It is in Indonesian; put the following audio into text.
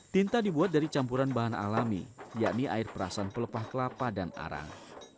tinta dibuat dari campuran bahan alami yakni air perasan pelepah kelapa dan arang